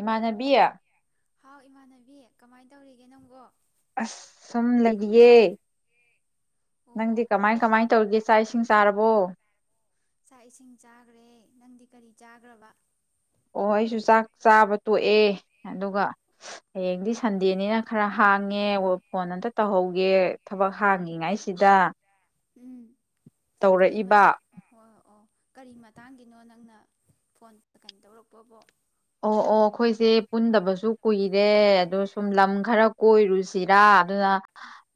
ꯏꯃꯥꯟꯅꯕꯤ ꯍꯥꯎ ꯏꯃꯥꯟꯅꯕꯤ ꯀꯃꯥꯢ ꯇꯧꯔꯤꯒꯦ ꯅꯪꯕꯣ ꯑꯁ ꯁꯨꯝ ꯂꯩꯔꯤꯌꯦ ꯑꯣ ꯅꯪꯗꯤ ꯑꯣ ꯀꯃꯥꯢ ꯀꯃꯥꯢ ꯇꯧꯔꯤꯒꯦ ꯆꯥꯛ ꯏꯁꯤꯡ ꯆꯥꯔꯕꯣ? ꯆꯥꯛ ꯏꯁꯤꯡ ꯆꯥꯒ꯭ꯔꯦ ꯅꯪꯗꯤ ꯀꯩꯔꯤ ꯆꯥꯒ꯭ꯔꯕ ꯑꯣ ꯑꯩꯁꯨ ꯆꯥꯛ ꯆꯥꯕ ꯇꯣꯛꯑꯦ ꯑꯗꯨꯒ ꯍꯌꯦꯡꯗꯤ ꯁꯟꯗꯦꯅꯤꯅ ꯈꯔ ꯍꯥꯡꯉꯦ ꯍꯣ ꯄꯣꯟ ꯑꯃꯇ ꯇꯧꯍꯧꯒꯦ ꯊꯕꯛ ꯍꯥꯡꯉꯤꯉꯩꯁꯤꯗ ꯎꯝ ꯀꯔꯤ ꯇꯧꯔꯛꯏꯕ ꯃꯇꯥꯡ ꯍꯣꯢ ꯑꯣ ꯀꯔꯤ ꯃꯇꯥꯡꯒꯤꯅꯣ ꯅꯪꯅ ꯄꯣꯟꯗ ꯀꯩ ꯇꯧꯔꯛꯄꯕꯨ ꯑꯣ ꯑꯣ ꯑꯩꯈꯣꯢꯁꯦ ꯄꯨꯟꯗꯕꯖꯨ ꯀꯨꯢꯔꯦ ꯑꯗꯣ ꯁꯨꯝ ꯂꯝ ꯈꯔ ꯀꯣꯢꯔꯨꯁꯤꯔ ꯑꯗꯨꯅ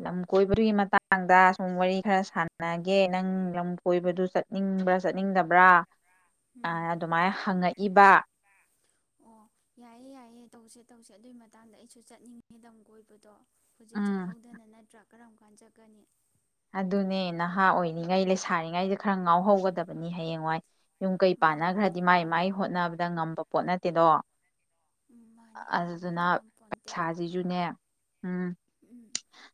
ꯂꯝ ꯀꯣꯢꯕꯗꯨꯒꯤ ꯃꯇꯥꯡꯗ ꯁꯨꯝ ꯋꯥꯔꯤ ꯁꯥꯟꯅꯒꯦ ꯅꯪ ꯂꯝ ꯀꯣꯢꯕꯗꯨ ꯆꯠꯅꯤꯡꯕ꯭ꯔ ꯆꯠꯅꯤꯡꯗꯕ꯭ꯔ ꯎꯝ ꯑꯥ ꯑꯗꯨꯃꯥꯢꯅ ꯍꯪꯉꯛꯏꯕ ꯑꯣ ꯌꯥꯢꯌꯦ ꯌꯥꯢꯌꯦ ꯇꯧꯁꯦ ꯇꯧꯁꯦ ꯑꯗꯨꯢ ꯃꯇꯥꯡꯗ ꯑꯩꯁꯨ ꯆꯠꯅꯤꯡꯉꯦ ꯂꯝ ꯀꯣꯢꯕꯗꯣ ꯍꯨꯖꯤꯛ ꯎꯝ ꯆꯠꯍꯧꯗꯅ ꯅꯠꯇ꯭ꯔ ꯀꯔꯝ ꯀꯥꯟ ꯆꯠꯀꯅꯤ ꯑꯗꯨꯅꯦ ꯅꯍꯥ ꯑꯣꯢꯔꯤꯉꯩ ꯂꯩꯁꯥꯔꯤꯉꯩꯖꯤꯗ ꯈꯔ ꯉꯥꯎꯍꯧꯒꯗꯕꯅꯤ ꯍꯌꯦꯡꯋꯥꯢ ꯌꯨꯝ ꯀꯩꯪ ꯃꯥꯅꯤ ꯃꯥꯅꯤ ꯄꯥꯟꯅꯈꯔꯗꯤ ꯃꯥꯢ ꯃꯥꯢ ꯍꯣꯠꯅꯕ ꯑꯩꯅ ꯉꯝꯕ ꯄꯣꯠ ꯅꯠꯇꯦꯗꯣ ꯑ ꯎꯝ ꯃꯥꯅꯤ ꯑꯗꯨꯗꯨꯅ ꯍꯌꯦꯡꯋꯥꯏꯗꯤ ꯉꯝꯄꯣꯟꯇꯦ ꯄꯩꯁꯥꯖꯤꯖꯨꯅꯦ ꯎꯝ ꯎꯝ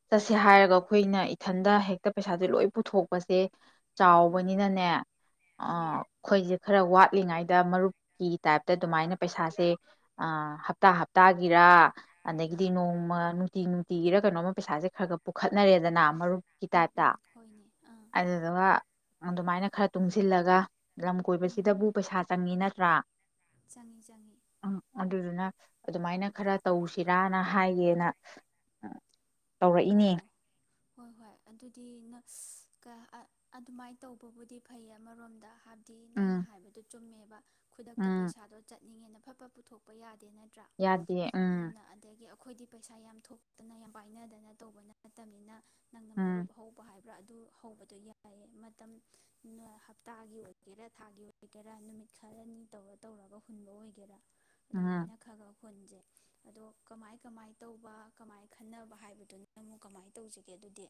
ꯆꯠꯁꯤ ꯍꯥꯢꯔꯒ ꯑꯩꯈꯣꯢꯅ ꯏꯊꯟꯗ ꯍꯦꯛꯇ ꯄꯩꯁꯥꯖꯦ ꯂꯣꯢ ꯄꯨꯊꯣꯛꯄꯁꯦ ꯎꯝ ꯆꯥꯎꯕꯅꯤꯅꯅꯦ ꯑꯥ ꯎꯝ ꯑꯩꯈꯣꯢꯖꯦ ꯈꯔ ꯋꯥꯠꯂꯤꯉꯩꯗ ꯃꯔꯨꯞꯀꯤ ꯇꯥꯢꯞꯇ ꯑꯗꯨꯃꯥꯢꯅ ꯄꯩꯁꯥꯖꯦ ꯑꯥ ꯍꯞꯇꯥ ꯍꯞꯇꯥꯒꯤꯔ ꯑꯗꯒꯤꯗꯤ ꯅꯣꯡꯃ ꯅꯨꯡꯇꯤ ꯅꯨꯡꯇꯤꯒꯤꯔ ꯀꯩ ꯀꯩꯅꯣꯝꯃ ꯄꯩꯁꯥꯖꯦ ꯈꯔꯒ ꯄꯨꯈꯠꯅꯔꯦꯗꯅ ꯃꯔꯨꯞ ꯀꯤ ꯎꯝ ꯇꯥꯢꯞꯇ ꯎꯝ ꯍꯣꯏꯅꯦ ꯑꯥ ꯑꯗꯨꯗꯨꯒ ꯑꯗꯨꯝꯃꯥꯢꯅ ꯈꯔ ꯇꯨꯡꯁꯤꯜꯂꯒ ꯂꯝ ꯎꯝ ꯀꯣꯢꯕꯁꯤꯗꯕꯨ ꯄꯩꯁꯥ ꯆꯪꯉꯤꯅ ꯇ꯭ꯔꯥ ꯆꯪꯉꯤ ꯆꯪꯉꯤ ꯑꯗꯨꯃꯥꯢꯅ ꯈꯔ ꯇꯧꯁꯤꯔꯥꯅ ꯍꯥꯏꯒꯦꯅ ꯇꯧꯔꯛꯏꯅꯦ ꯑꯣꯑꯣ ꯍꯣꯢ ꯍꯣꯢ ꯑꯗꯨꯗꯤ ꯅꯪ ꯏꯁ ꯀ ꯑꯛ ꯑꯗꯨꯃꯥꯢ ꯇꯩꯕꯕꯨꯗꯤ ꯐꯩ ꯑꯃꯔꯣꯝꯗ ꯍꯥꯏ ꯗꯤ ꯎꯝ ꯅꯪꯅ ꯍꯥꯢꯕꯗꯨ ꯆꯨꯝꯃꯦ ꯈꯨꯗꯛꯇ ꯎꯝ ꯄꯩꯁꯥꯗꯣ ꯆꯠ ꯅꯤꯉꯦꯅ ꯐꯠ-ꯐꯠ ꯄꯨꯊꯣꯛꯄ ꯌꯥ ꯗꯦ ꯅꯠꯇꯔꯥ ꯌꯥꯗꯦ ꯎꯝ ꯃꯤꯅ ꯑꯗꯒꯤ ꯑ ꯈꯣꯏꯗꯤ ꯄꯩꯁꯥ ꯌꯥꯝ ꯊꯣꯛꯇꯅ ꯌꯥꯝ ꯄꯥꯏꯅꯗꯅ ꯇꯧꯕ ꯅꯠꯇꯝꯅꯤꯅ ꯅꯪꯅ ꯎꯝ ꯃꯔꯨꯞ ꯍꯧꯕ ꯍꯥꯏ ꯔ ꯑꯗꯨ ꯍꯧꯕꯗꯣ ꯌꯥꯏꯌꯦ ꯃꯇꯝ ꯅ ꯍꯞꯇꯥꯒꯤ ꯑꯣꯏꯒꯦꯔꯥ ꯊꯥꯒꯤ ꯑꯣꯏꯒꯦꯔꯥ ꯅꯨꯃꯤꯠ ꯈꯔꯅꯤ ꯇꯧꯔ ꯇꯧꯔ ꯍꯨꯟꯕ ꯑꯣꯏꯒꯦꯔꯥ ꯎꯝ ꯑꯗꯨꯃꯥꯏꯅ ꯈꯒ ꯍꯨꯟꯖꯦ ꯑꯗꯣ ꯀꯃꯥꯏ-ꯀꯃꯥꯏ ꯇꯧꯕ ꯀꯃꯥꯏ ꯈꯟꯅꯕ ꯍꯥꯏꯕꯗꯨꯅꯤ [inaudible] ꯀꯃꯥꯏ ꯇꯧꯖꯤꯒꯦ ꯗꯨꯗꯤ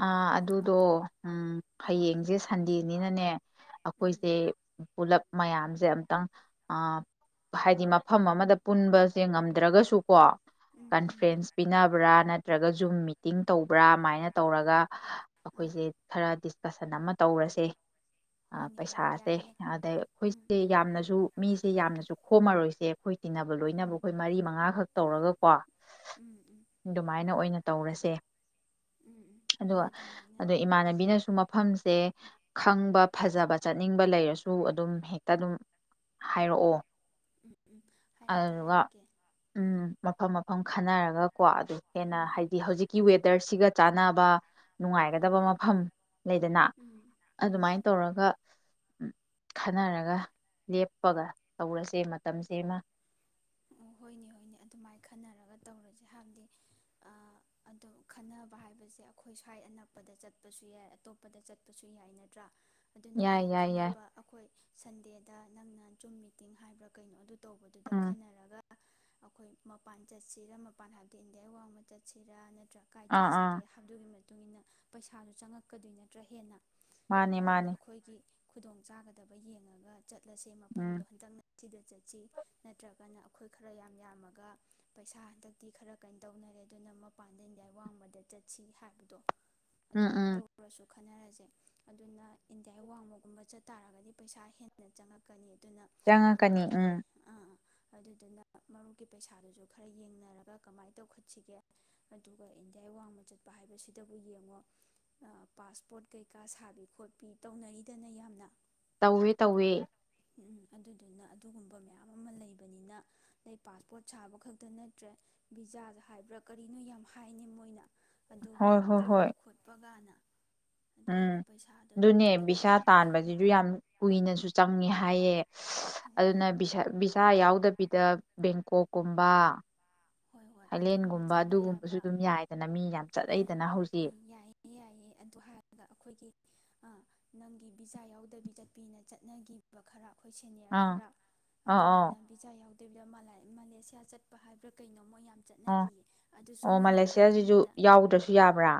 ꯑꯥ ꯑꯗꯨꯗꯣ ꯎꯝ ꯍꯌꯦꯡꯖꯦ ꯁꯟꯗꯦ ꯅꯤꯅꯅꯦ ꯎꯝ ꯑꯈꯣꯏꯖꯦ ꯄꯨꯜꯂꯞ ꯃꯌꯝꯖꯦ ꯑꯝꯇꯪ ꯑꯥ ꯐꯥꯏꯗꯤ ꯃꯐꯝ ꯑꯃꯗ ꯄꯨꯟꯕꯁꯦ ꯉꯝꯗ꯭ꯔꯒꯖꯨꯀꯣ ꯎꯝ ꯎꯝ ꯀꯟꯐꯦꯟꯁ ꯄꯤꯅꯕ꯭ꯔꯥ ꯅꯠ ꯇ꯭ꯔꯒꯖꯨ ꯃꯤꯇꯤꯡ ꯇꯧꯕ꯭ꯔꯥ ꯑꯃꯥꯏꯅ ꯇꯧꯔꯒ ꯑꯥ ꯑꯈꯣꯏꯖꯦ ꯈꯔ ꯗꯤꯁꯀꯁꯟ ꯑꯃ ꯇꯧꯔꯁꯦ ꯑ ꯍꯣꯏꯅꯦ ꯍꯣꯏꯅꯦ ꯄꯩꯁꯥꯁꯦ ꯌꯥꯏꯅꯦ ꯑꯗ ꯎꯝ [inaudible] ꯌꯥꯝꯅꯖꯨ ꯃꯤꯁꯦ ꯌꯥꯝꯅꯁꯨ ꯈꯣꯝꯃꯔꯣꯏꯁꯦ ꯈꯣꯏ ꯇꯤꯟꯅꯕ ꯂꯣꯏꯅꯕ ꯎꯝ ꯈꯣꯏ ꯃꯔꯤ ꯃꯉꯥꯈꯛ ꯇꯧꯔꯒ ꯀꯣ ꯎꯝ ꯎꯝ ꯗꯨꯃꯥꯏꯅ ꯑꯣꯏꯅ ꯇꯧꯔꯁꯦ ꯎꯝ ꯎꯝ ꯍꯣꯏ ꯑꯗꯨꯒ ꯑꯗꯨꯃꯥꯏꯅ ꯑꯗꯣ ꯏꯃꯥꯟꯅꯕꯤꯅꯁꯨ ꯃ ꯐꯝꯁꯦ ꯈꯪꯕ ꯐꯖꯕ ꯆꯠꯅꯤꯡꯕ ꯂꯩꯔꯁꯨ ꯑꯗꯨꯝ ꯍꯦꯛꯇ ꯗꯨꯝ ꯍꯥꯏꯔꯛꯑꯣ ꯎꯝ ꯎꯝ ꯍꯥꯏꯔꯛꯀꯦ ꯑꯗꯨꯗꯨꯒ ꯍꯥꯏꯔꯛꯀꯦ ꯎꯝ ꯃꯐꯝ ꯃꯐꯝ ꯈꯟꯅꯔ ꯀꯣ ꯑꯗꯨ ꯍꯦꯟꯅ ꯎꯝ ꯍꯥꯏꯗꯤ ꯍꯧꯖꯤꯛꯀꯤ ꯋꯦ ꯗꯔꯁꯤꯒ ꯆꯥꯟꯅꯕꯥ ꯅꯨꯡꯉꯥꯏꯒꯗ ꯎꯝ ꯃꯐꯝ ꯂꯩꯗꯅꯥ ꯎꯝ ꯎꯝ ꯑꯗꯨꯃꯥꯏ ꯎꯝ ꯇꯧꯔꯒ ꯎ ꯈꯟꯅꯔꯒ ꯂꯦꯞꯄꯒ ꯇꯧꯔꯁꯦ ꯃꯇꯝꯁꯦꯃꯥ ꯎ ꯍꯣꯏꯅꯦ ꯍꯣꯏꯅꯦ ꯑꯗꯨꯃꯥꯏ ꯈꯟꯅꯔꯒ ꯇꯧꯔꯖꯦ ꯍꯥꯝꯗꯤ ꯑꯥ ꯑꯗꯨꯝ ꯈꯟꯅꯕ ꯍꯥꯏꯕꯁꯦ ꯑꯈꯣꯏ ꯁ꯭ꯋꯥꯏ ꯑꯅꯛꯄꯗ ꯆꯠꯄꯖꯨ ꯌꯥꯏ ꯑꯇꯣꯞꯞꯗ ꯆꯠꯄꯖꯨ ꯌꯥꯏ ꯅꯠꯇ꯭ꯔꯥ ꯑꯗꯨꯅ ꯌꯥꯏ ꯍꯌꯦꯡ ꯌꯥꯏ ꯌꯥꯏ ꯈꯟꯅꯕ ꯑꯈꯣꯏ ꯁꯟꯗꯦꯗ ꯅꯪꯅ ꯖꯨꯝ ꯃꯤꯇꯤꯡ ꯍꯥꯏꯕ꯭ꯔꯥ ꯀꯩꯅꯣ ꯑꯗꯨ ꯎꯝ [inaudible] [inaudible] [inaudible] ꯀꯥꯏ ꯆꯠꯁꯤꯒꯦ ꯑꯥ ꯑꯥ [unintelligible] ꯄꯩꯁꯥꯗꯣ ꯆꯉꯛꯀꯗꯣꯏ ꯅꯠꯇꯔꯥ ꯍꯦꯟꯅ ꯃꯥꯅꯦ ꯑꯗꯨꯅ ꯃꯥꯅꯦ ꯑꯈꯣꯏꯒꯤ ꯈꯨꯗꯣꯡ ꯆꯥꯒꯗꯕ ꯌꯦꯉꯥꯒ ꯆꯠꯂꯁꯦ ꯎꯝ ꯃꯐꯝꯗꯨ ꯍꯟꯗꯛꯅ ꯁꯤꯗ ꯆꯠꯁꯤ ꯅꯠꯇꯔꯒꯅ ꯑꯈꯣꯏ [inaudible] ꯎꯝ ꯑꯗꯨꯃꯥꯏ ꯎꯝ ꯇꯧꯔꯁꯨ ꯈꯟꯅꯔ꯭ꯖꯦ ꯑꯗꯨꯅ ꯏꯟꯗꯤꯌꯥ ꯋꯥꯡꯃꯒꯨꯝꯕ ꯆꯠ ꯇꯥꯔꯒꯗꯤ ꯄꯩꯁꯥ ꯍꯦꯟꯅꯥ ꯆꯉꯛꯀꯅꯤ [inaudible] ꯆꯪꯉꯛꯀꯅꯤ ꯎꯝ ꯑꯗꯨꯗꯨꯅ [inaudible] [inaudible] [inaudible] [inaudible] [inaudible] [inaudible] ꯇꯧꯏ ꯇꯣꯏ ꯑꯗꯨꯗꯨꯅ ꯑꯗꯨꯒꯨꯝꯕ ꯃꯌꯥꯝ ꯑꯃ ꯂꯩꯕꯅꯤꯅ [inaudible] ꯑꯗꯨꯒꯤ ꯍꯣꯏ ꯍꯣꯏ ꯍꯣꯏ ꯇꯟꯕ ꯈꯣꯠꯄꯥ ꯒꯥꯅ ꯎꯝ ꯑꯗꯨꯅꯦ ꯆꯠꯄ ꯕꯤꯁꯥ ꯃꯥꯜꯂꯦ ꯇꯥꯟꯕꯖꯤꯖꯨ ꯌꯥꯝ ꯀꯨꯏꯅꯁꯨ ꯆꯪꯉꯤ ꯍꯥꯏꯌꯦ [unintelligible] ꯍꯣꯏ ꯑꯗꯨꯅ [unintelligible] ꯕꯤꯁꯥ ꯌꯥꯎꯗꯕꯤꯗ ꯕꯦꯡꯀꯣꯛ ꯀꯨꯝꯕꯥ ꯍ‌ꯣꯏ‌ꯍ‌ꯣꯏ ꯑꯗꯨꯒꯨꯝꯕ ꯆꯠꯄ ꯌꯥꯕ‌ ꯑꯗꯨꯝ ꯌꯥꯏꯗꯅ ꯃꯤ ꯌꯥꯝ ꯆꯠꯅꯩꯗꯅ ꯍꯧꯖꯤꯛ [unintelligible] ꯌꯥꯌ‌ꯦ ꯌꯥꯌ‌ꯦ ꯑꯗꯨ ꯍꯥꯏꯔꯒ ꯈ‌ꯣꯏꯒꯤ ꯑꯥ ꯅꯪꯒꯤ ꯕꯤꯖ ꯌꯥꯏꯗꯤꯗ ꯄꯤꯅ ꯆꯠꯅꯈꯤꯌ‌ꯦꯕ ꯈꯔꯥ ꯈ‌ꯣꯏ ꯁꯤꯅ‌ꯦꯔ ꯑꯥ ꯈꯔ ꯑꯥ ꯑꯥ ꯑꯗꯨꯗꯨꯅ ꯕꯤꯖꯥ ꯌꯥꯎꯗꯕꯤꯙ [unintelligible] ꯃꯥꯂ‌ꯦꯁꯤꯌꯥ ꯆꯠꯄ ꯍꯥꯏꯕ꯭ꯔꯥ ꯀꯩꯅ‌ꯣ ꯀꯩꯅ‌ꯣ ꯑ ꯑꯣ ꯃꯂꯦꯁꯤꯌꯥꯖꯤꯖꯨ ꯇꯝꯕꯗ ꯌꯥꯎꯗꯔꯥꯁꯨ ꯌꯥꯕꯔ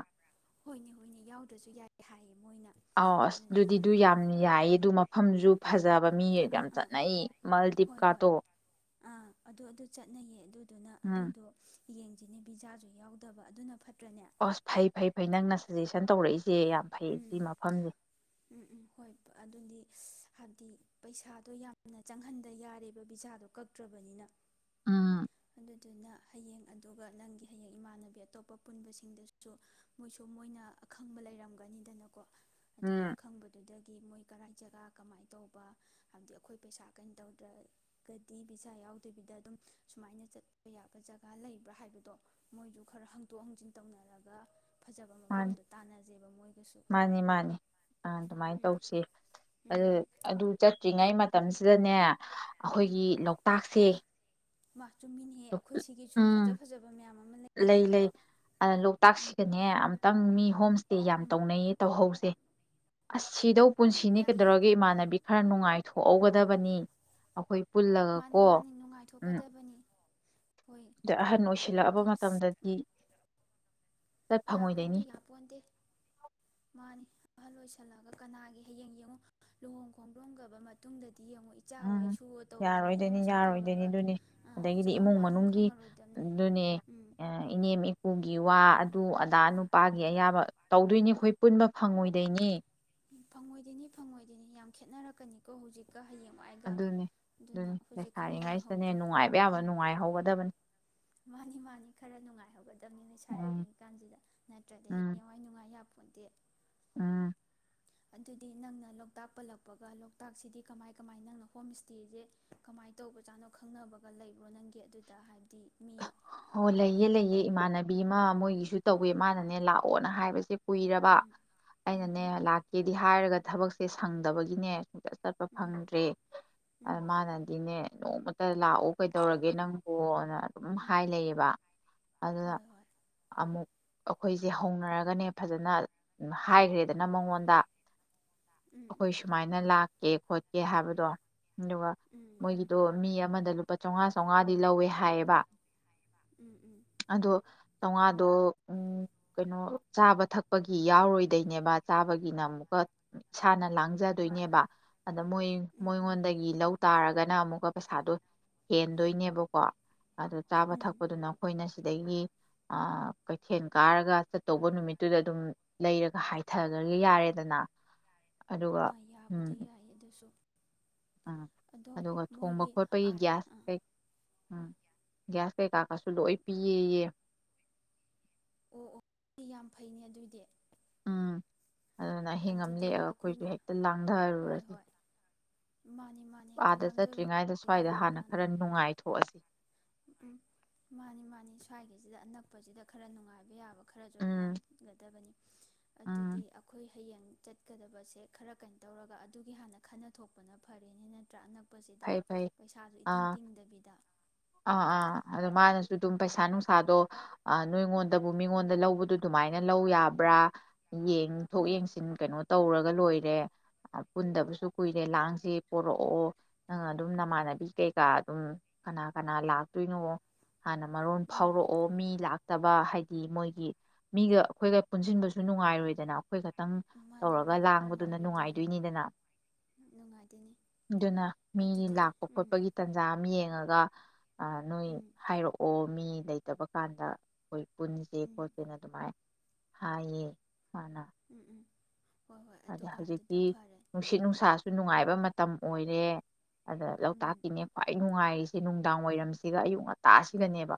ꯍꯣꯏꯅꯦ ꯍꯣꯏꯅꯦ ꯌꯥꯎꯗꯔꯁꯨ ꯌꯥꯏ ꯍꯥꯏꯅꯦ ꯑꯧ ꯗꯨꯗꯤ ꯗꯨ ꯌꯥꯝ ꯌꯥꯌ‌ꯦ ꯗꯨ ꯃꯐꯝꯖꯨ ꯐꯖꯕ ꯃꯤ ꯑꯥ ꯌꯥꯝ ꯑꯥ ꯆꯠꯅꯩ ꯃꯥꯜꯗꯤꯞꯀꯥꯗꯣ ꯑꯪ ꯑꯗꯨ ꯆꯠꯅꯩꯌ‌ꯦ [unintelligible] ꯎꯝ ꯑꯗꯨꯗꯣ [inaudible] [inaudible] ꯑꯁ ꯐꯩ ꯐꯩ ꯐꯩ ꯅꯪ [inaudible] ꯖꯦꯁꯟ ꯇꯧꯔꯛꯏꯁꯦ ꯌꯥꯝ ꯐꯩ ꯑꯝ ꯁꯤ ꯃꯐꯝꯁꯦ ꯑꯝ ꯑꯝ ꯍꯣꯏ ꯑꯗꯨꯗꯤ ꯄꯩꯁꯥꯗꯣ ꯌꯥꯝꯅ ꯆꯪꯍꯟꯗ ꯌꯥꯔꯦꯕ ꯕꯤꯁꯥꯗꯣ ꯀꯛꯇ꯭ꯔꯕꯅꯤꯅ ꯎꯝ ꯑꯗꯨꯗꯨꯅ ꯍꯌꯦꯡ ꯑꯗꯨꯒ ꯅꯪꯒꯤ ꯍꯌꯦꯡ ꯏꯃꯥꯟꯕꯤ ꯑꯇꯣꯞꯄ ꯄꯨꯟꯕꯁꯤꯡꯗꯁꯨ ꯀꯩꯁꯨ ꯃꯣꯏꯅ ꯑꯈꯪꯕ ꯂꯩ ꯕꯅꯤꯗꯅ ꯑꯗꯨꯅ ꯎꯝ ꯑꯈꯪꯕꯗꯨꯗꯒꯤ ꯃꯣꯏ ꯀꯔꯥꯏ ꯖꯥꯒ ꯀꯃꯥꯏ ꯇꯧꯕ ꯍꯥꯏꯕꯗꯤ ꯑꯩꯈꯣꯏ ꯄꯩꯁꯥ ꯀꯤꯝꯇꯧꯗ꯭ꯔ ꯒꯗꯤ ꯕꯤꯖꯥ ꯌꯥꯎꯗꯕꯤꯗ ꯑꯗꯨꯝ ꯁꯨꯃꯥꯏꯅ ꯆꯠꯄ ꯌꯥꯕ ꯖꯒ ꯂꯩꯕꯥ꯭ꯔ ꯍꯥꯏꯕꯗꯣ ꯃꯣꯏꯁꯨ ꯈꯔ ꯍꯪꯗꯣꯛ ꯍꯪꯖꯤꯟ ꯇꯧꯅꯔꯒ ꯐꯖꯕ ꯃꯐꯝꯗꯣ ꯇꯅꯁꯦꯕ ꯃꯣꯏ ꯃꯅꯦ ꯃꯅꯦ ꯑꯗꯨꯃꯥꯏ ꯎꯝ ꯇꯧꯁꯦ ꯎꯝ ꯑꯗꯨ ꯎꯝ ꯑꯗꯨ ꯆꯠꯇ꯭ꯔꯤ ꯉꯩ ꯃ ꯇꯝ ꯁꯤꯗꯅꯦ ꯑꯈꯣꯏꯒꯤ ꯂꯣꯛꯇꯥꯛꯁꯦ ꯃ ꯆꯨꯝꯃꯤꯅꯦ ꯑꯩꯈꯣꯏ ꯁꯤꯒꯤꯁꯨ ꯎꯝ ꯐꯖ ꯐꯖꯕ ꯃꯌꯥꯝ ꯑꯃ ꯂꯩ ꯂꯩꯔꯤꯅꯤ ꯂꯩ ꯎꯝ ꯂꯣꯛꯇꯥꯛꯁꯤꯒꯅꯦ ꯑꯝꯇꯪ ꯃꯤ ꯍꯣꯝ ꯏꯁꯇꯦ ꯌꯥꯝ ꯎꯝ ꯇꯧꯅꯩꯌꯦ ꯇꯧꯍꯧꯁꯦ ꯑꯁ ꯁꯤꯗꯧ ꯃꯥ ꯄꯨꯟꯁꯤꯅꯤ ꯌꯥꯏꯌꯦ ꯀꯩꯗꯧꯔꯒꯦ ꯏꯃꯥꯟꯅꯕꯤ ꯈꯔ ꯅꯨꯡꯉꯥꯏ ꯊꯣꯛꯍꯧ ꯒꯗꯕꯅꯦ ꯑꯈꯣꯏ ꯃꯅꯦ ꯃꯅꯦ ꯅꯨꯡꯉꯥꯏ ꯊꯣꯛꯀꯗꯕꯅꯦ ꯍꯣꯏ ꯍꯥꯏꯕꯗꯤ ꯗꯗꯤ ꯌꯥꯄꯣꯟꯇꯦ ꯌꯥꯄꯣꯟꯇꯦ ꯃꯅꯤ ꯑꯍꯜ ꯑꯣꯏꯁꯟꯂꯒ ꯀꯅꯥꯒꯤ ꯍꯌꯦꯡ ꯌꯦꯡꯉꯨ ꯂꯨꯍꯣꯡ ꯈꯣꯗꯣꯡꯒ꯭ꯔꯕ ꯃꯇꯨꯡꯗꯗꯤ ꯌꯦꯡꯉꯨ ꯏꯆꯥ ꯑꯣꯏ ꯑꯝ ꯏꯁꯨ ꯑꯣꯏ ꯇꯧꯔꯅꯤꯅ ꯌꯥꯔꯣꯏꯗꯩꯅꯤ ꯃꯁꯤꯗ ꯌꯥꯔꯣꯏꯗꯩꯅꯤ ꯇꯧꯔꯒ ꯗꯨꯅꯤ ꯑꯗꯒꯤ ꯆꯠꯐꯝ ꯏꯃꯨꯡ ꯂꯥꯛꯐꯝ ꯃꯅꯨꯡꯒꯤ ꯈꯪꯉꯔꯣꯏꯗꯕꯅꯤ ꯗꯨꯅꯦ ꯎꯝ ꯏꯅꯦꯝ ꯏꯀꯨꯒꯤ ꯋꯥ ꯑꯗꯨ ꯑ ꯅꯨꯄꯥꯒꯤ ꯑꯌꯕ ꯇꯧꯗꯩꯅꯤ ꯑꯩꯈꯣꯏ ꯄꯨꯟꯕ ꯐꯪꯉꯣꯏꯗꯣꯏꯅꯤ ꯐꯪꯑꯣꯏ ꯗꯩꯅꯦ ꯐꯪꯑꯣꯏ ꯗꯩꯅꯦ ꯌꯝ ꯈꯦꯠꯅꯔꯛ ꯀꯅꯤꯀꯣ ꯍꯧꯖꯤꯛ ꯀ ꯍꯌꯦꯡ ꯋꯥꯏꯒ ꯑꯗꯨꯅꯤ ꯑꯗꯨꯅ ꯑꯗꯨꯅꯤ ꯍꯧꯖꯤꯛ ꯈꯔ ꯂꯩꯁꯥꯔꯤꯉꯩꯁꯤꯗꯅꯦ ꯌꯦꯡꯍꯧꯁꯦ ꯅꯨꯡꯉꯥꯏꯕ ꯌꯥꯕ ꯑꯝ ꯅꯨꯡꯉꯥꯏꯍꯧꯒꯗꯕꯅꯤ ꯃꯅꯦ ꯃꯅꯦ ꯈꯔ ꯅꯨꯡꯉꯥꯏ ꯍꯧꯒꯗꯕꯅꯦ ꯎꯝ ꯂꯩꯁꯥꯔꯤꯉꯩ ꯀꯥꯟꯁꯤꯗ ꯅꯠꯇ꯭ꯔꯗꯤ ꯎꯝ ꯍꯌꯦꯡꯋꯥꯏ ꯅꯨꯡꯉꯥꯏ ꯌꯥ ꯄꯣꯟꯇꯦ ꯎꯝ ꯑꯗꯨꯗꯤ ꯅꯪꯅ ꯂꯣꯛꯇꯥꯛ ꯄꯟꯂꯛꯄꯒ ꯂꯣꯛꯇꯥꯛ ꯁꯤꯗꯤ ꯀꯃꯥꯏ ꯀꯃꯥꯏ ꯍꯣꯝ ꯏ꯭ꯁꯇꯦ ꯁꯦ ꯀꯃꯥꯏ ꯇꯧꯕ ꯖꯥꯠꯅꯣ ꯈꯪꯅꯕꯒ ꯂꯩꯕ꯭ꯔꯣ ꯅꯪꯒꯤ ꯑꯗꯨꯗ ꯍꯥꯏ ꯍꯣ ꯂꯩꯌꯦ ꯂꯩꯌꯦ ꯏꯃꯥꯟꯅꯕꯤ ꯑꯃ ꯃꯣꯏꯒꯤꯁꯨ ꯇꯧꯑꯦ ꯃꯅꯥꯅꯦ ꯂꯥꯛꯑꯣꯅ ꯍꯥꯏꯕꯁꯦ ꯀꯨꯏꯔꯕ ꯎꯝ ꯎꯝ ꯑꯩꯅꯅꯦ ꯎꯝ ꯂꯥꯛꯀꯦꯗꯤ ꯍꯥꯏꯔꯒ ꯊꯕꯛꯁꯦ ꯁꯪꯗꯕꯒꯤꯅꯦ ꯀꯣꯏꯆꯠ ꯆꯠꯄ ꯎꯝ ꯐꯪꯗ꯭ꯔꯦ ꯑꯗ ꯎꯝ ꯃꯅꯗꯤꯅꯦ ꯅꯣꯡꯃꯇꯥ ꯂꯥꯛꯑꯣ ꯀꯩꯗꯧꯔꯒꯦ ꯅꯪꯕꯣꯅ ꯑꯗꯨꯝ ꯎꯝ ꯍꯥꯏ ꯂꯩꯌꯦꯕꯥ ꯑꯗꯨꯅ ꯍꯣꯏ ꯍꯣꯏ ꯑꯃꯨꯛ ꯑꯈꯣꯏꯁꯦ ꯍꯧꯅꯔꯒꯅꯦ ꯐꯖꯟ ꯍꯥꯏꯒꯤꯗꯟ ꯃꯉꯣꯟꯗ ꯎꯝ ꯑꯈꯣꯏ ꯁꯨꯃꯥꯏꯅꯥ ꯂꯛ [unintelligible] ꯐꯣꯠꯀꯦ ꯍꯥꯏꯕꯗꯣ ꯑꯗꯨꯒꯥ ꯎꯝ ꯃꯣꯏꯒꯤꯗꯣ ꯃꯤ ꯑꯃꯗ ꯂꯨꯄ ꯆꯉꯥ ꯆꯥꯡꯉꯥꯗꯤ ꯂꯧꯏ ꯍꯌꯦꯕ ꯎꯝ ꯎꯝ ꯑꯗꯣ ꯆꯉꯥꯗꯣ ꯎ ꯀꯔꯤꯅꯣ ꯆꯥꯕꯥ ꯊꯛꯄꯒꯤ ꯌꯥꯑꯣꯔꯣꯏꯗꯩꯅꯦꯕ ꯆꯕꯥꯒꯤꯅ ꯑꯃꯨꯛꯀꯥ ꯏꯁꯥꯅ ꯂꯥꯡꯖꯗꯣꯏꯅꯦꯕ ꯑꯗ ꯃꯣꯌ ꯎꯝ ꯎꯝ ꯃꯤꯉꯣꯟꯗꯒꯤ ꯂꯩ ꯇꯔꯒ ꯅꯥ ꯑꯃꯨꯛ ꯄꯩꯁꯥꯗꯨ ꯍꯦꯟꯗꯣꯏꯅꯦꯕꯀꯣ [inaudible] ꯆꯥꯕꯥ ꯎꯝ ꯊꯛꯞꯗꯨꯅ ꯑꯩꯈꯣꯅꯥ ꯑꯗꯩꯒꯤ ꯎ ꯀꯩꯊꯦꯜ ꯀꯔꯒ ꯆꯥꯇꯧꯕ ꯅꯨꯃꯤꯇꯨꯗ ꯑꯗꯨꯝ ꯂꯩꯔꯒ ꯍꯥꯏꯊꯥꯒꯤꯕ ꯌꯥꯔꯦꯗꯅꯥ ꯑꯗꯨꯒ ꯑꯥ ꯎ ꯌꯥꯕꯨꯗꯤ ꯌꯥꯏ ꯑꯗꯨꯁꯨ ꯑꯗꯣ ꯑꯗꯨꯒ ꯊꯣꯡꯕ ꯃꯣꯏꯒꯤ ꯈꯣꯠꯄꯩ ꯑꯥ ꯒꯥꯁ ꯑꯥ ꯀꯩ ꯍꯣꯏ ꯒꯥꯁ ꯀꯩ ꯀꯥꯒꯥꯏꯖꯨ ꯂꯣꯌ ꯄꯤꯌꯦꯌꯦ ꯑꫭ ꯌꯥꯝ ꯐꯩꯅꯦ ꯑꯗꯨꯗꯤ ꯎꯝ ꯑꯗꯨꯅ ꯑꯍꯤꯡ ꯑꯃ ꯂꯦꯛꯑꯒ ꯑꯈꯣꯁꯨ ꯑꯩꯈꯣꯏꯅ ꯍꯦꯛꯇ ꯍꯣꯏ ꯂꯥꯡꯗꯔꯨꫪꯁꯤ ꯍꯣꯏ ꯃꯥꯅꯤ ꯃꯥꯅꯤ ꯍꯦꯛꯇ ꯑꯗ ꯆꯠꯔꯤꯉꯩꯗ ꯂꯥꯡꯗꯔꯨꯔꯗꯤ ꯁꯋꯥꯏꯗ ꯀꯅꯥ ꯍꯟꯅ ꯀꯅꯥꯅꯣ ꯈꯔ ꯅꯨꯡꯉꯥꯏꯊꯣꯛꯑꯁꯤ ꯎꯝ ꯃꯅꯤ ꯃꯅꯤ ꯁꯋꯥꯏꯗꯁꯤꯗ ꯑꯅꯛꯄꯁꯤꯗ ꯈꯔꯥ ꯅꯨꯡꯉꯥꯏꯕ ꯌꯥꯕ ꯈꯔ꯭ꯁꯨ ꯎꯝ ꯅꯨꯡꯉꯥꯏ ꯍꯧꯒꯗꯕꯅꯤ ꯑꯗꯨꯗꯤ ꯎꯝ ꯑꯈꯣꯏ ꯍꯥꯌꯦꯡ ꯆꯠꯂꯗꯕꯁꯦ ꯈꯔꯥ ꯀꯔꯤꯅꯣ ꯇꯧꯔꯒ ꯍꯜ ꯈꯟꯅ ꯊꯣꯛꯄꯅꯥ ꯐꯔꯦ ꯅꯥꯠꯔꯥ ꯁꯤꯗ ꯐꯩ ꯐꯩ ꯄꯩꯁꯥꯁꯨ ꯏꯇꯤꯡ ꯇꯤꯡꯗꯕꯤꯗ ꯑꯗꯨ ꯃꯅꯥꯁꯨ ꯑꯗꯨꯝ ꯄꯩꯁꯥ ꯅꯨꯡꯁꯥꯗꯣ ꯑ ꯅꯥꯉꯣꯟꯗꯕꯨ ꯃꯤꯉꯣꯟꯗ ꯂꯧꯕꯗꯨ ꯑꯗꯨꯃꯥꯏꯅ ꯂꯧ ꯌꯥꯕꯔꯥ ꯌꯦꯟ ꯌꯦꯟꯊꯣꯛ ꯎꯝ ꯌꯦꯡꯁꯤꯟ ꯀꯔꯤꯅꯣ ꯇꯧꯔꯒꯥ ꯂꯣꯏꯔꯦ ꯄꯨꯟꯗꯕꯁꯨ ꯀꯨꯏꯔꯦ ꯂꯥꯪꯁꯤ ꯄꯨꯔꯛꯑꯣ ꯅꯪ ꯑꯗꯨꯝ ꯅꯃꯥꯟꯅꯥꯕꯤ ꯀꯩꯒ ꯑꯗꯨꯝ ꯀꯟꯅ ꯀꯅꯥꯅ ꯂꯛꯇꯣꯏꯅꯣ ꯃꯔꯣꯟ ꯎꯝ ꯐꯥꯎꯔꯛ ꯑꯣ ꯃꯤ ꯇꯥꯕꯥ ꯍꯥꯏꯗꯤ ꯃꯣꯏꯒꯤ ꯃꯤꯒ ꯑꯈꯣꯏꯒ ꯄꯨꯟꯁꯤꯟꯕꯁꯨ ꯅꯨꯡꯉꯥꯏꯔꯣꯏꯗꯅ ꯇꯪ ꯃꯥꯅꯤ ꯇꯧꯔꯥꯒ ꯃꯥꯅꯤ ꯂꯥꯡꯕꯗꯨꯅ ꯅꯨꯡꯉꯥꯏꯔꯣꯏꯗꯣꯏꯅꯤ ꯅꯨꯡꯉꯥꯏꯗꯣꯏꯅꯤꯗꯅ ꯅꯨꯡꯉꯥꯏꯗꯣꯏꯅꯤ ꯑꯗꯨꯅ ꯃꯤ ꯑꯗꯨꯗꯤ ꯂꯛꯞ ꯎꯝ ꯈꯣꯠꯄꯒꯤ ꯇꯟꯖ ꯑꯃꯥ ꯌꯦꯉꯒ ꯑ ꯅꯣꯏ ꯎꯝ ꯍꯥꯏꯔꯛ ꯑꯣ ꯃꯤ ꯂꯩꯇꯕ ꯀꯟꯗ ꯄꯨꯟꯁꯤ ꯎꯝ ꯈꯣꯠꯁꯤꯟ ꯑꯗꯨꯝꯃꯥꯏ ꯍꯥꯏ ꯍꯥꯏꯌꯦ ꯃꯥꯟꯅ ꯎꯝ ꯎꯝ ꯍꯣꯏ ꯍꯣꯏ ꯍꯥ ꯑꯗꯨꯀꯥꯟꯗꯨꯗ ꯍꯧꯖꯤꯛꯇꯤ ꯐꯔꯦ ꯅꯨꯡꯁꯤ ꯅꯨꯡꯁꯥ ꯅꯨꯉꯥꯏꯕ ꯃꯇꯝ ꯑꯣꯏꯔꯦ ꯑꯗꯥ ꯎꯝ ꯂꯣꯀꯇꯥꯛꯀꯤꯅꯦ ꯈꯨꯋ ꯅꯨꯉꯥꯏꯔꯤꯖꯦ ꯅꯨꯡꯗꯥꯡ ꯋꯥꯏꯔꯝ ꯁꯤꯒ ꯑꯌꯨꯛ ꯉꯟꯇꯥꯁꯤꯒꯅꯤꯕ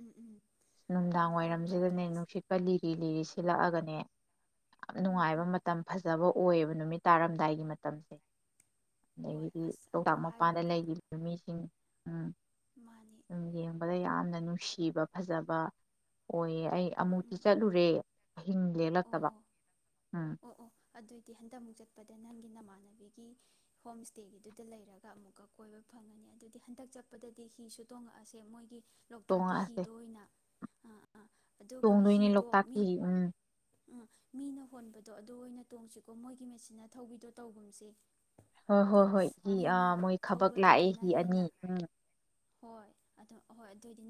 ꯎꯝ ꯎꯝ ꯅꯨꯡꯗꯥꯡ ꯍꯣꯏꯅꯦ ꯋꯥꯏꯔꯝꯖꯗ ꯂꯣꯛꯇꯥꯛꯀꯤ ꯑꯁ ꯅꯨꯡꯁꯤꯠꯀꯥ ꯂꯤꯔꯦ ꯂꯤꯔꯦ ꯁꯤꯠꯂꯛ ꯑꯒꯅꯦ [unintelligible] ꯑ ꯎꯝ ꯅꯨꯉꯥꯏꯕ ꯎꯝ ꯃꯥꯇꯝ ꯐꯖꯕ ꯑꯣꯏꯌꯦꯕ ꯅꯨꯃꯤꯠ ꯇꯔꯝꯗꯥꯏꯒꯤ ꯃꯥꯇꯝꯁꯦ ꯍꯣꯏ ꯑꯗꯒꯤꯗꯤ ꯑꯁ ꯑꯗꯨ ꯂꯣꯛꯇꯛ ꯍꯥꯏꯔꯒ ꯂꯩꯒꯤꯅꯥ ꯃꯤꯁꯤꯡ ꯑꯝ ꯃꯥꯅꯤ ꯑꯝ ꯌꯦꯡꯕꯗ ꯌꯥꯝꯅ ꯅꯨꯁꯤꯕꯥ ꯐꯖꯕ ꯑꯣꯏꯌꯦ ꯑꯦ ꯎꯝ ꯑꯃꯨꯛꯇ ꯎꯝ ꯆꯠꯂꯨꯔꯦ ꯑꯍꯤꯟ ꯂꯦꯛꯂꯛꯇꯕ ꯑꯝ ꯑꯗꯨꯗꯤ ꯍꯟꯗꯛꯃꯨꯛ ꯆꯠꯄꯗ ꯅꯥꯝꯅꯥꯕꯤꯒꯤ ꯍꯣꯃꯦ ꯁꯇꯥꯒꯦ ꯒꯤꯗꯨꯗ ꯂꯩꯔꯒ ꯑꯃꯨꯛꯀꯥ ꯀꯣꯏꯕꯥ ꯐꯪꯂꯅꯤ ꯍꯟꯗꯛ ꯆꯠꯄꯗ ꯍꯤꯁꯨ ꯇꯣꯟꯂꯛ ꯑꯁꯥ ꯃꯣꯏꯒꯤ ꯂꯣꯀꯇꯥꯛꯀꯤ꫰ꯍꯤ ꯗꯣ ꯑꯣꯏꯅ ꯑꯥ ꯑꯥ ꯑꯗꯨꯒ ꯇꯣꯪꯗꯣꯏꯅꯦ ꯂꯣꯀꯇꯥꯛꯀꯤ ꯑꯝ ꯑꯝ ꯃꯤꯅ ꯍꯣꯟꯕꯗꯣ ꯑꯗꯨ ꯑꯣꯏꯅꯥ ꯇꯣꯡꯁꯤꯀꯣ ꯃꯣꯌꯒꯤ ꯃꯆꯤꯟꯅ ꯊꯧꯕꯤꯗꯣ ꯇꯧꯒꯨꯝꯁꯦ ꯍꯣꯏ ꯍꯥꯏꯕꯗꯤ ꯍꯣꯌ ꯃꯤꯅ ꯍꯤ ꯊꯕꯥꯛ ꯂꯛꯏ ꯊꯧꯕꯗꯨꯗꯅ ꯍꯤ ꯑꯅꯤ꯫ ꯍꯦꯟꯅ ꯍꯣꯏ ꯑꯗꯣ ꯑꯗꯨꯑꯣꯏꯗꯤ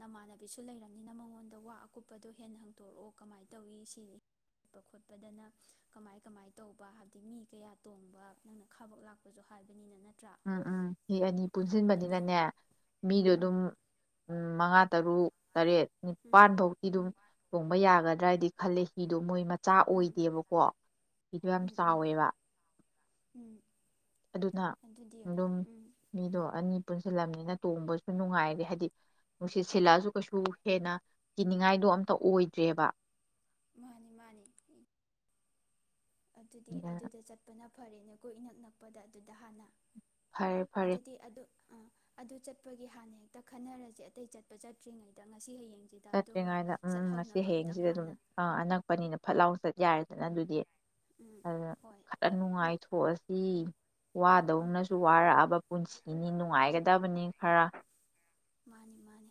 ꯅꯃꯟꯅꯕꯤꯁꯨ ꯂꯩꯔꯕꯅꯤꯟ ꯃꯑꯣꯡꯗ ꯋꯥ ꯑꯀꯨꯄꯥꯗꯣ ꯍꯦꯟꯅꯥ ꯍꯪꯇꯣꯔꯀꯑꯣ ꯀꯃꯥꯏ ꯁꯤ ꯉꯥꯏ ꯂꯩꯕ ꯈꯣꯠꯅꯗꯅꯕ ꯀꯃꯥꯏ ꯀꯥꯃꯥꯏ ꯇꯧꯕ ꯍꯥꯏꯗꯤꯟ ꯃꯤ ꯀꯌꯥ ꯇꯣꯟꯕ ꯅꯪꯅ ꯈꯕ ꯂꯛꯄꯥꯛ ꯍꯥꯏꯕꯅꯤꯅꯥ ꯑꯝ ꯑꯝ ꯃꯤ ꯑꯅꯤ ꯄꯨꯟꯖꯤꯟꯕꯗꯅꯦ ꯎꯝ ꯃꯤꯗꯣꯑꯗꯨꯝ ꯃꯉꯥ ꯇꯔꯨꯛ ꯇꯔꯦꯠ ꯎꯝ ꯅꯤꯄꯜꯕꯣꯛꯇꯤ ꯑꯗꯨꯝ ꯎꯝ ꯇꯣꯡꯕ ꯌꯥꯒꯗꯔ ꯈꯔꯗꯤ ꯈꯜꯂꯤ ꯍꯤ ꯗꯣ ꯃꯣꯏ ꯆꯥ ꯎꯝ ꯑꯣꯏꯗꯦꯕ ꯍꯤꯗꯣ ꯌꯥꯝ ꯎꯝ ꯎꯝ ꯆꯥꯑꯣꯏꯕ ꯎꯝ ꯑꯗꯨꯅ꯫ ꯑꯗꯨꯗꯤ ꯅꯡ ꯎꯝ ꯃꯤꯗꯣ ꯑꯅꯤ ꯀꯨꯏꯁꯣꯟ ꯂꯥꯛ ꯑꯕꯅꯤꯅꯥ ꯇꯣꯡꯕꯁꯨ ꯅꯨꯉꯥꯏꯔꯦ ꯍꯥꯏꯗꯤ ꯅꯨꯡꯁꯤꯠ ꯁꯤꯠꯂꯥꯛ ꯑꯁꯨ ꯀꯩꯁꯨ ꯍꯦꯟꯅꯥ ꯀꯤꯅꯤꯉꯥꯏꯗꯣ ꯑꯣꯏꯗꯔ꯭ꯦꯕ ꯫ ꯃꯅꯦ ꯃꯅꯦ ꯑꯗꯨꯗꯤ ꯑꯗꯨꯅ ꯑꯗꯨꯗ ꯆꯠꯄꯅ ꯐꯔꯦꯅꯦꯀꯣ ꯏꯅꯥꯛ ꯅꯛꯄ ꯑꯗꯨꯗ ꯍꯟꯅꯥ ꯐꯔꯦ ꯐꯔꯦ ꯑꯝ ꯑꯗꯨ ꯆꯠꯄꯒꯤ ꯍꯟꯅ ꯍꯦꯛꯇ ꯈꯟꯅꯔꯁꯦ ꯑꯇꯩ ꯆꯠꯄ ꯆꯠꯇꯔꯤ ꯉꯥꯏꯗ ꯆꯇꯔꯤ ꯉꯏꯗ ꯑꯝ ꯑꯝ ꯉꯥꯁꯤ ꯑꯝꯇꯪ ꯍꯥꯌꯦꯡꯁꯤꯗ ꯑꯗꯨꯝ ꯍꯥꯟꯅ ꯑ ꯑꯅꯛꯄꯅꯤꯅ ꯐꯠ ꯂꯧꯅ ꯌꯥꯔꯦꯗꯅꯥ ꯗꯨꯗꯤ ꯎꯝ ꯑꯥ ꯍꯣꯏ ꯈꯔ ꯅꯨꯉꯥꯏ ꯍꯣ ꯑꯁꯤ ꯋꯥꯗꯧ ꯎꯝ ꯅꯁꯨ ꯋꯥꯔꯛ ꯑꯕꯥ ꯄꯨꯟꯁꯤꯅꯤ ꯅꯨꯡꯉꯥꯏꯒꯗꯕꯅꯤ ꯈꯔ ꯃꯥꯅꯤ ꯃꯥꯅꯤ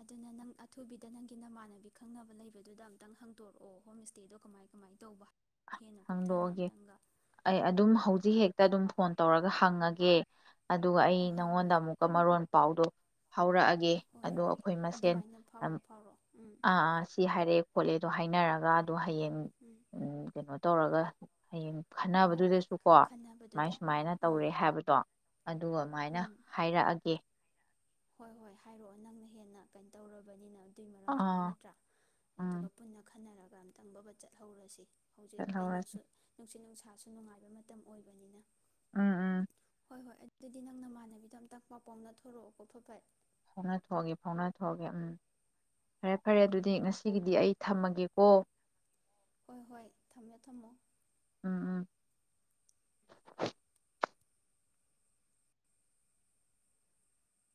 ꯑꯗꯨꯅ ꯅꯪ ꯑꯊꯨꯕꯤꯗꯥ ꯅꯪꯒꯤ ꯅꯃꯥꯟꯅꯕꯤ ꯈꯪꯅꯕ ꯂꯩꯕꯗꯨꯗ ꯑꯝꯇꯪ ꯍꯪꯗꯣꯔꯛꯑꯣ ꯍꯣꯝ ꯏꯁꯇꯦꯗꯣ ꯀꯃꯥꯏ ꯀꯃꯥꯏ ꯇꯧꯕ ꯍꯦꯟꯅ ꯀꯨꯞꯊꯅ ꯍꯪꯗꯣꯛꯑꯒꯦ ꯑꯝꯇꯪꯒ ꯑꯩ ꯑꯗꯨꯝ ꯎꯝ ꯍꯧꯖꯤꯛ ꯍꯦꯛꯇ ꯑꯗꯨꯝ ꯐꯣꯜ ꯇꯧꯔꯒ ꯍꯪꯉꯥꯒꯦ ꯑꯗꯨꯒ ꯑꯩ ꯑꯣ ꯍꯣꯏ ꯍꯣꯏ ꯅꯪꯉꯣꯜꯗꯥ ꯑꯃꯨꯛꯀ ꯃꯔꯣꯟ ꯄꯥꯎꯗꯨ ꯍꯧꯔꯛꯑ ꯒꯦ ꯍꯣꯏ ꯑꯗꯣ ꯍꯣꯏ ꯑꯈꯣꯏ ꯃꯁꯦꯟ ꯑꯗꯨꯃꯥꯏꯅ ꯑꯃ ꯐꯥꯎꯔꯣ ꯐꯥꯎꯔꯣ ꯎꯝ ꯑꯥ ꯑꯥ ꯁꯤ ꯍꯥꯏꯔꯛꯑꯦ ꯈꯣꯠꯂꯦ ꯑꯗꯣ ꯍꯥꯏꯅꯥꯔꯒ ꯗꯣ ꯍꯌꯦꯡ ꯎꯝ ꯑꯡ ꯀꯩꯅꯣ ꯇꯧꯔꯒ ꯍꯌꯦꯡ ꯍꯣꯏ ꯍꯣꯏ ꯈꯟꯅꯕꯗꯨꯗꯁꯨꯀꯣ ꯁꯤꯃꯥꯏ ꯈꯟꯅꯕꯗꯨꯗ ꯁꯤꯃꯥꯏꯅ ꯑꯥ ꯇꯧꯔꯦ ꯍꯥꯏꯕꯗꯣ ꯑꯗꯨ ꯑꯃꯥꯏꯅꯥ ꯎꯝ ꯍꯥꯏꯔꯛꯑꯒꯦ ꯍꯣꯏ ꯍꯣꯏ ꯍꯥꯏꯔꯛꯑꯣ ꯅꯪꯅ ꯍꯦꯟꯅ ꯀꯩꯟ ꯇꯧꯔꯕꯅꯤꯅ ꯑꯗꯨꯏ ꯃꯔꯝꯗꯥ ꯑꯥ ꯅꯅꯠꯇꯔ ꯎꯝ ꯑꯗꯨꯒ ꯄꯨꯟꯅ ꯈꯟꯅꯔꯒ ꯑꯝꯇꯪ ꯕꯕꯠ ꯆꯠꯍꯧꯔꯁꯤ ꯍꯧꯖꯤꯛ ꯆꯠꯍꯧꯔꯁꯤ ꯀꯩꯅꯣꯁꯨ ꯅꯨꯡꯁꯤꯠ ꯅꯨꯡꯁꯥ ꯊꯥꯁꯨ ꯅꯨꯡꯉꯥꯏꯕ ꯃꯇꯝ ꯑꯣꯏꯕꯅꯤꯅꯥ ꯎꯝ ꯎꯝ ꯍꯣꯏ ꯍꯣꯏ ꯑꯗꯨꯗꯤ ꯅꯪ ꯅꯃꯥꯟꯅꯕꯤꯗ ꯑꯝꯇ ꯄꯥꯎ ꯄꯥꯎꯅꯊꯣꯔꯛꯑꯣ ꯑꯣ ꯐꯠ ꯐꯠ ꯐꯥꯎꯅꯊꯣꯛꯑꯒꯦ ꯐꯥꯎꯅꯊꯣꯛꯑꯒꯦ ꯑꯝ ꯐꯔꯦ ꯐꯔꯦ ꯎꯝ ꯑꯗꯨꯗꯤ ꯎꯝ ꯉꯥꯁꯤꯒꯤꯗꯤ ꯑꯩ ꯊꯝꯃꯒꯦꯀꯣ ꯍꯣꯏ ꯍꯣꯏ ꯊꯝꯃꯦ ꯊꯝꯃꯣ ꯎꯝ ꯎꯝ